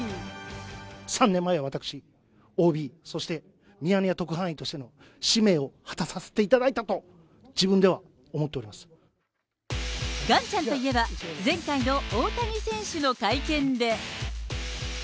３年前、私、ＯＢ、そして、ミヤネ屋特派員としての使命を果たさせていただいたと、自分ではガンちゃんといえば、前回の大谷選手の会見で。